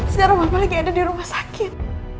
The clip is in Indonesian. sekarang papa lagi ada di rumah sakit